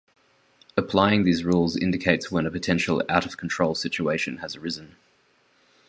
Applying these rules indicates when a potential "out of control" situation has arisen.